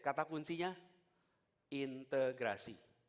kata kuncinya integrasi